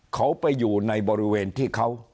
เขาไปอยู่ในบริเวณที่เขา